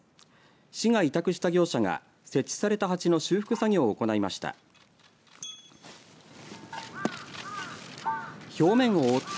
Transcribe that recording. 市が委託した業者が設置された鉢の修復作業を行いました。